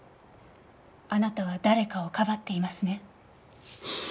あなたは誰かをかばっていますね？